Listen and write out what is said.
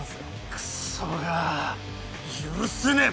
クソが許せねえ！